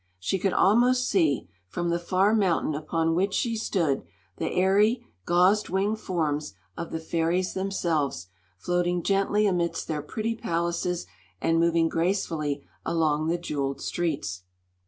She could almost see, from the far mountain upon which she stood, the airy, gauze winged forms of the fairies themselves, floating gently amidst their pretty palaces and moving gracefully along the jeweled streets.